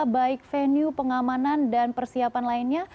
baik venue pengamanan dan persiapan lainnya